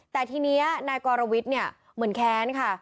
แต่ทีนี้นายกรวิทย์เนี่ยเหมือนแค้นค่ะ